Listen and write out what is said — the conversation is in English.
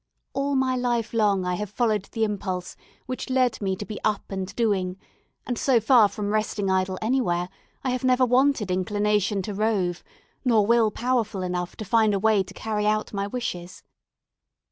All my life long I have followed the impulse which led me to be up and doing; and so far from resting idle anywhere, I have never wanted inclination to rove, nor will powerful enough to find a way to carry out my wishes.